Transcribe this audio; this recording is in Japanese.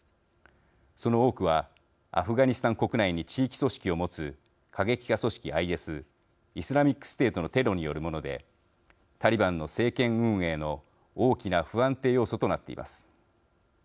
その多くはアフガニスタン国内に地域組織を持つ過激派組織ＩＳイスラミックステートのテロによるものでタリバンの政権運営の大きな不安定要素となっています。